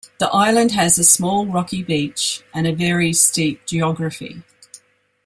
The island has a small rocky beach and a very steep geography.